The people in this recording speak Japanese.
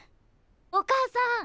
お母さん！